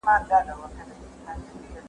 ولي ځيني هیوادونه ملي بودیجه نه مني؟